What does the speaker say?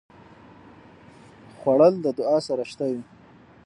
خوړل د دعا سره شته وي